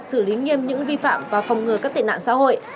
xử lý nghiêm những vi phạm và phòng ngừa các tệ nạn xã hội